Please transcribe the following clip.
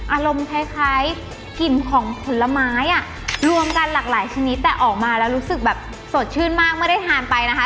อารมณ์คล้ายกลิ่นของผลไม้อ่ะรวมกันหลากหลายชนิดแต่ออกมาแล้วรู้สึกแบบสดชื่นมากไม่ได้ทานไปนะคะ